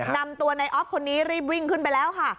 นำตัวในออฟคนนี้รีบวิ่งขึ้นไปแล้วค่ะ